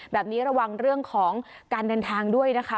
แบบนี้ระวังเรื่องของการเดินทางด้วยนะคะ